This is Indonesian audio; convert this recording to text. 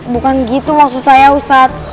bukan gitu maksud saya ustadz